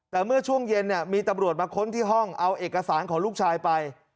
แต่เมื่อช่วงเย็นมีตำรวจมาค้นที่ห้องเอาเอกสารของลูกชายไป